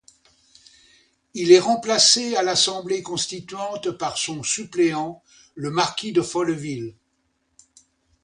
Il est remplacé à l'Assemblée constituante par son suppléant, le marquis de Folleville.